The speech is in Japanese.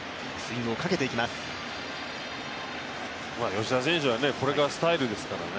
吉田選手はこれがスタイルですからね。